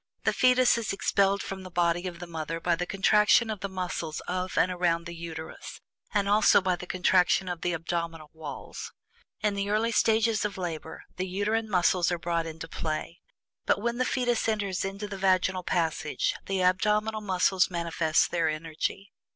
The fetus is expelled from the body of the mother by the contraction of the muscles of and around the Uterus, and also by the contraction of the abdominal walls. In the early stages of labor, the uterine muscles are brought into play; but when the fetus enters into the vaginal passage the abdominal muscles manifest their energy.